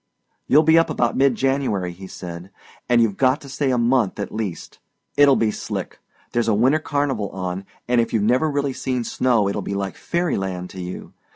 "You'll be up about mid January," he said, "and you've got to stay a month at least. It'll be slick. There's a winter carnival on, and if you've never really seen snow it'll be like fairy land to you.